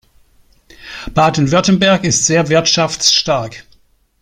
Baden-Württemberg ist sehr wirtschaftsstark.